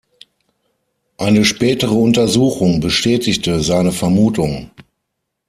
Eine spätere Untersuchung bestätigte seine Vermutung.